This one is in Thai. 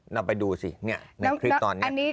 นำไปดูสิเนี่ยในคลิปตอนนี้